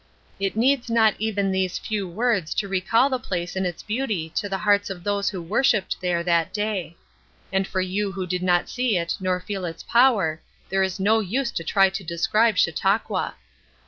It needs not even these few words to recall the place in its beauty to the hearts of those who worshiped there that day; and for you who did not see it nor feel its power there is no use to try to describe Chautauqua.